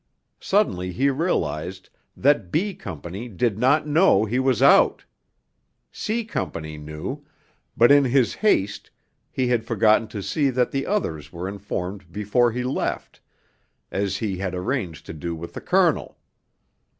Suddenly he realized that B Company did not know he was out; C Company knew, but in his haste he had forgotten to see that the others were informed before he left, as he had arranged to do with the Colonel.